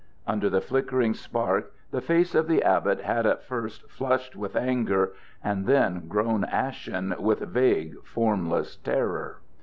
Under the flickering spark the face of the abbot had at first flushed with anger and then grown ashen with vague, formless terror.